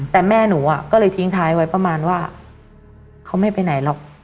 แต่แม่หนูก็เลยทิ้งท้ายไว้ประมาณว่าเขาไม่ไปไหนหรอก